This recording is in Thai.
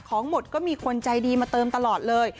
หมดก็มีคนใจดีมาเติมตลอดเลย